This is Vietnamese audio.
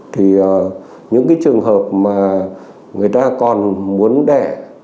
thì những cái trường hợp mà người ta còn muốn đẻ